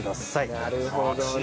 なるほどね。